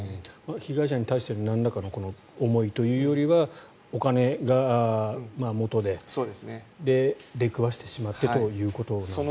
被害者に対してのなんらかの思いというよりはお金がもとで出くわしてしまってということなんですかね。